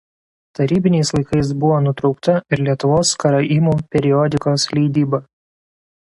Tarybiniais laikais buvo nutraukta ir Lietuvos karaimų periodikos leidyba.